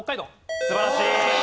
素晴らしい。